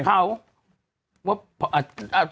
คุณถามว่าไง